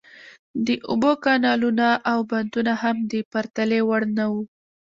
د اوبو کانالونه او بندونه هم د پرتلې وړ نه وو.